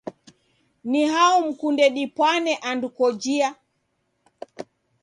Ni hao mkunde dipwane andu kojia?